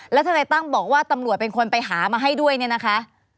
ทนายตั้มบอกว่าตำรวจเป็นคนไปหามาให้ด้วยเนี่ยนะคะ